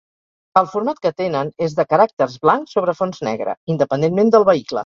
El format que tenen és de caràcters blancs sobre fons negre, independentment del vehicle.